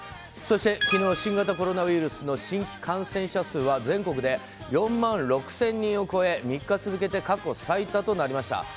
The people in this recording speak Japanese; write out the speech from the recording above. そして、昨日新型コロナウイルスの新規感染者数は全国で４万６０００人を超え３日続けて過去最多となりました。